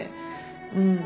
うん。